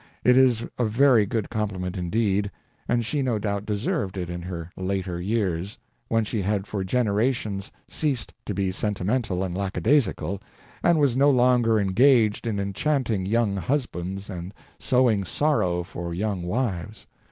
It is a very good compliment indeed, and she no doubt deserved it in her "later years," when she had for generations ceased to be sentimental and lackadaisical, and was no longer engaged in enchanting young husbands and sowing sorrow for young wives.